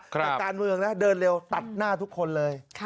แต่การเมืองนะเดินเร็วตัดหน้าทุกคนเลย